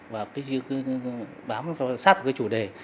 và bám sát được cái chủ đề